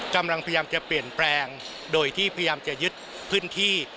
กำลังพยายามจะเปลี่ยนแปลงโดยที่พยายามจะยึดพื้นที่